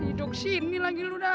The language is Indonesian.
hidup sini lagi lu dah